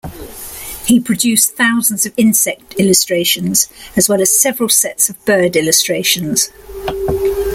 He produced thousands of insect illustrations, as well as several sets of bird illustrations.